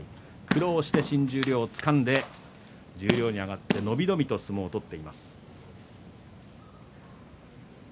苦労して新十両をつかんで十両に上がって伸び伸びと相撲を取っています。